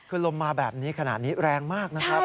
คือลมมาแบบนี้ขนาดนี้แรงมากนะครับ